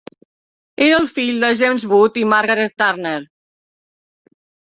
Era el fill de James Wood i Margaret Turner.